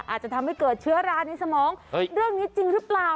อาจจะทำให้เกิดเชื้อราในสมองเรื่องนี้จริงหรือเปล่า